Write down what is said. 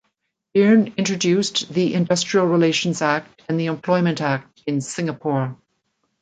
Byrne introduced the Industrial Relations Act and the Employment Act in Singapore.